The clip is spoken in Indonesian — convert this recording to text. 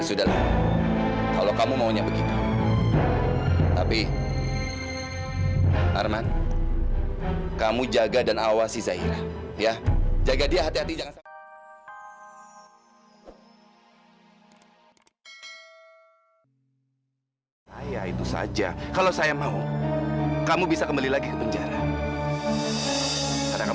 sampai jumpa di video selanjutnya